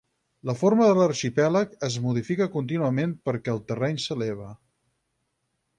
La forma de l'arxipèlag es modifica contínuament perquè el terreny s'eleva.